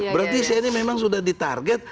berarti saya ini memang sudah di target